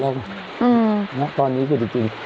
กรมป้องกันแล้วก็บรรเทาสาธารณภัยนะคะ